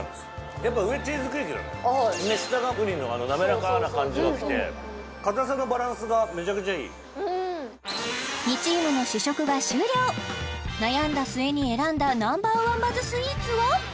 やっぱ上チーズケーキなのよで下がプリンのなめらかな感じがきて硬さのバランスがめちゃくちゃいい２チームの試食が終了悩んだ末に選んだＮｏ．１バズスイーツは？